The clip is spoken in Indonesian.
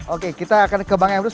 oke kita akan ke bang emrus